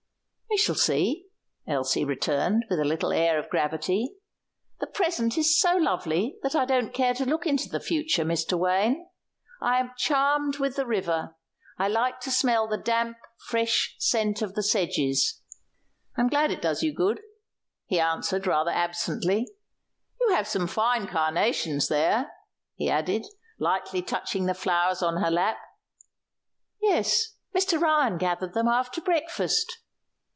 "We shall see," Elsie returned, with a little air of gravity. "The present is so lovely that I don't care to look into the future, Mr. Wayne. I am charmed with the river. I like to smell the damp, fresh scent of the sedges." "I'm glad it does you good," he answered, rather absently. "You have some fine carnations there," he added, lightly touching the flowers on her lap. "Yes; Mr. Ryan gathered them after breakfast."